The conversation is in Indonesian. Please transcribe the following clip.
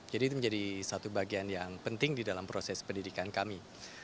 jadi itu menjadi satu bagian yang penting di dalam proses pendidikan kami